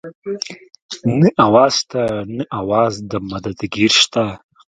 نه اواز شته نه اواز د مدد ګير شته